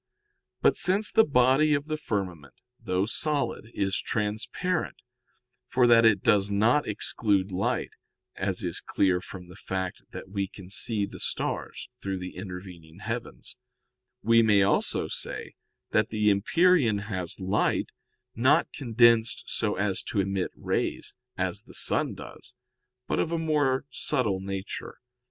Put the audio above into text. But since the body of the firmament, though solid, is transparent, for that it does not exclude light (as is clear from the fact that we can see the stars through the intervening heavens), we may also say that the empyrean has light, not condensed so as to emit rays, as the sun does, but of a more subtle nature.